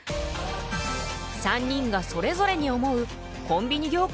３人がそれぞれに思うコンビニ業界の課題。